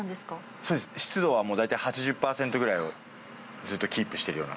そうです、湿度はもう大体８０％ぐらいをずっとキープしているような。